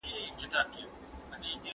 و پرواز ته یې تیار یاغي وزر سو